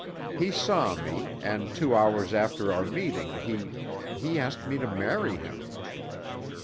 He saw me, and two hours after our meeting he—he asked me to marry him.